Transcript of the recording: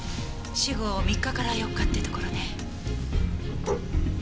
死後３日から４日ってところね。